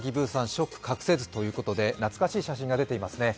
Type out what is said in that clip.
ショック隠せずということで懐かしい写真が出ていますね。